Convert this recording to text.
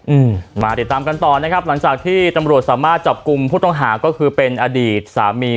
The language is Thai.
อืมมาติดตามกันต่อนะครับหลังจากที่ตำรวจสามารถจับกลุ่มผู้ต้องหาก็คือเป็นอดีตสามี